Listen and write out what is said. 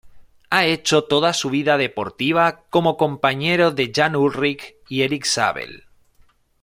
Ha hecho toda su vida deportiva como compañero de Jan Ullrich y Erik Zabel.